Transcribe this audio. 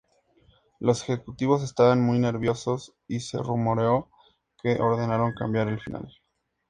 Los ejecutivos estaban muy nerviosos y se rumoreó que ordenaron cambiar el final.